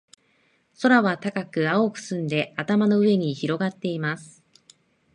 空は高く、青く澄んで、頭の上に広がっています。